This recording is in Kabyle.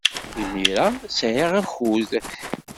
Imir-a, sɛiɣ akud.